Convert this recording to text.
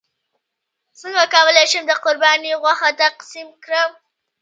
څنګه کولی شم د قرباني غوښه تقسیم کړم